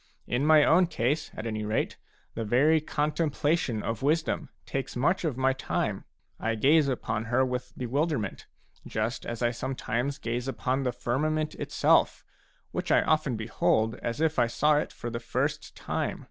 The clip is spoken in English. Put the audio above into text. In my own case, at any rate, the very contemplation of wisdom takes much of my time ; I gaze upon her with bewilderment, just as I some times gaze upon the firmament itself, which I often behold as if I saw it for the first time.